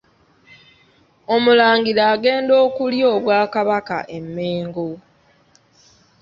Omulangira agenda okulya Obwakabaka e Mengo.